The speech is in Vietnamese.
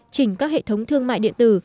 chỉnh các hệ thống thương mại điện tử